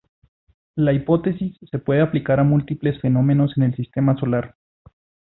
La hipótesis se puede aplicar a múltiples fenómenos en el Sistema Solar.